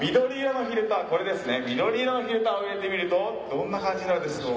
これですね緑色のフィルターを入れてみるとどんな感じになるでしょう？